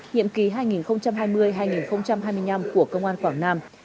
nhiệm kỳ hai nghìn hai mươi hai nghìn hai mươi năm của công an quảng nam